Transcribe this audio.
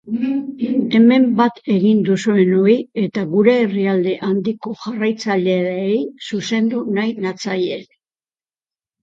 Hemen bat egin duzuenoi eta gure herrialde handiko jarraitzaileei zuzendu nahi natzaie.